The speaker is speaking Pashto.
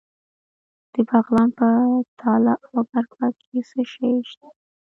د بغلان په تاله او برفک کې څه شی شته؟